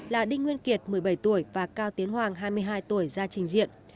là đinh nguyên kiệt một mươi bảy tuổi và cao tiến hoàng hai mươi hai tuổi ra trình diện